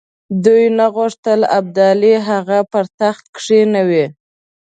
دوی نه غوښتل ابدالي هغه پر تخت کښېنوي.